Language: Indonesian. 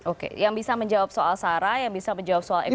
oke yang bisa menjawab soal sarah yang bisa menjawab soal ekonomi